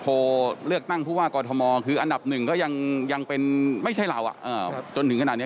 เลือกตั้งผู้ว่ากอทมคืออันดับหนึ่งก็ยังเป็นไม่ใช่เราจนถึงขนาดนี้